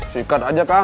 sikat aja kang